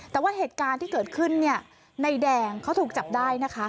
แต่ว่าเหตุการณ์ที่เกิดขึ้นในแดงเขาถูกจับได้นะคะ